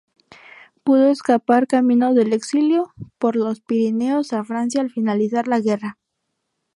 Pudo escapar camino del exilio por los Pirineos a Francia al finalizar la guerra.